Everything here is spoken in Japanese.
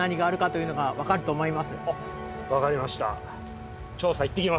わかりました。